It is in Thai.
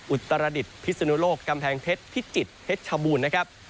อุตรดิษฐ์พิศนุโลกกำแพงเพชรพิจิตรเพชรชบูรณ์นะครับ